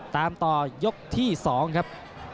ตามต่อยกที่๒ครับ